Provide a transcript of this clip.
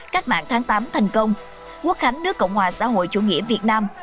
các mạng tháng tám thành công quốc hành nước cộng hòa xã hội chủ nghĩa việt nam